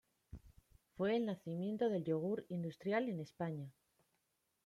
Fue el nacimiento del yogur industrial en España.